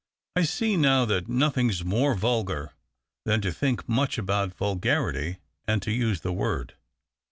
I see now that nothing's more vulgar than to think much about vulgarity and to use the word."